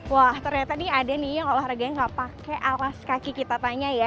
wah ternyata ada nih yang olahraga yang tidak pakai alas kaki kita tanya ya